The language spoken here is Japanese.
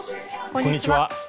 こんにちは。